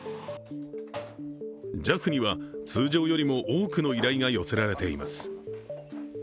ＪＡＦには通常よりも多くの依頼が寄せられています。